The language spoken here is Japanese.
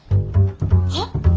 はっ？